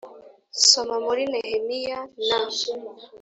Soma muri Nehemiya na